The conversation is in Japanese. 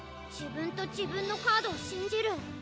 自分と自分のカードを信じる。